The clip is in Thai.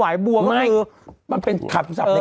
แต่อาจจะส่งมาแต่อาจจะส่งมา